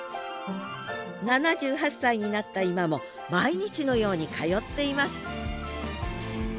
７８歳になった今も毎日のように通っています